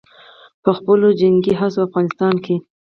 په خپلو جنګي هڅو او افغانستان کښې